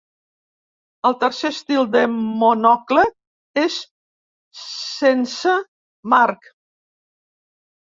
El tercer estil de monocle és sense marc.